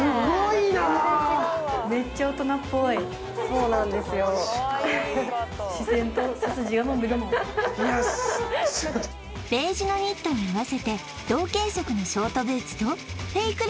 いやベージュのニットに合わせて同系色のショートブーツとフェイク